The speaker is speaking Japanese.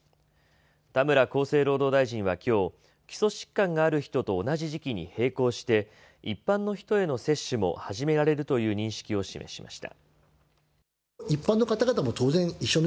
田村厚生労働大臣はきょう基礎疾患がある人と同じ時期に並行して一般の人への接種も始められるという認識を示しました。